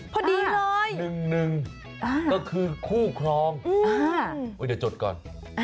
พอดีเลย๑๑ก็คือคู่ครองเดี๋ยวจดก่อน